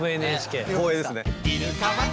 光栄ですね。